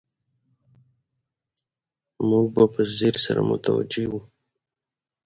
موږ به په ځیر سره متوجه وو.